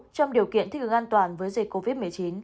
trong điều kiện thích ứng an toàn với dịch covid một mươi chín